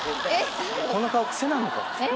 この顔癖なのかも。